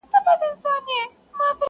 نه خيام سته د توبو د ماتولو.!